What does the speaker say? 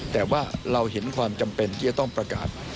แต่ว่าเราเห็นความจำเป็นที่จะต้องประกาศ